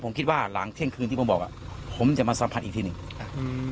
ผมคิดว่าหลังเที่ยงคืนที่ผมบอกอ่ะผมจะมาสัมผัสอีกทีหนึ่งอ่าอืม